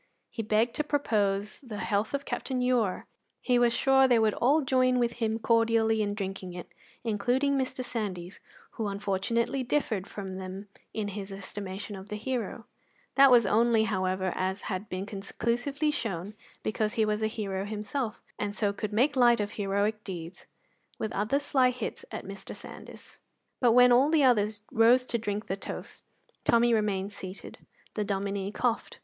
He begged to propose the health of Captain Ure. He was sure they would all join with him cordially in drinking it, including Mr. Sandys, who unfortunately differed from them in his estimation of the hero; that was only, however, as had been conclusively shown, because he was a hero himself, and so could make light of heroic deeds with other sly hits at Mr. Sandys. But when all the others rose to drink the toast, Tommy remained seated. The Dominie coughed.